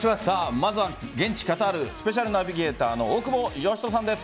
まずは現地カタールスペシャルナビゲーターの大久保嘉人さんです。